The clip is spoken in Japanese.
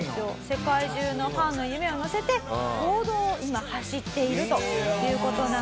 世界中のファンの夢をのせて公道を今走っているという事なので。